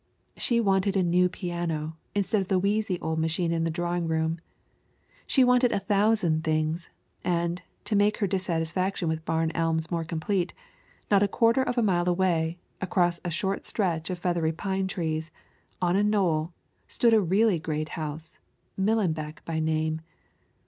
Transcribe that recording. She wanted a new piano instead of the wheezy old machine in the drawing room. She wanted a thousand things, and, to make her dissatisfaction with Barn Elms more complete, not a quarter of a mile away, across a short stretch of feathery pine trees, on a knoll, stood a really great house, Millenbeck by name.